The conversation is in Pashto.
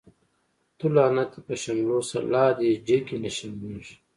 تو لعنت په دی شملو شه، لا دی جګی نه شرميږی